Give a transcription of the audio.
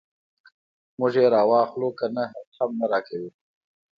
موږ یې راواخلو کنه هغه هم نه راکوي.